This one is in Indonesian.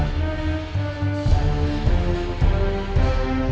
sakit ya bangun bangun